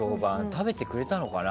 食べてくれたのかな。